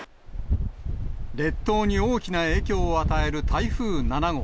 列島に大きな影響を与える台風７号。